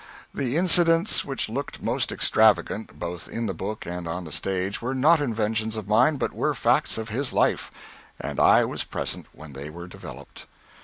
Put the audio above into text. The incidents which looked most extravagant, both in the book and on the stage, were not inventions of mine but were facts of his life; and I was present when they were developed.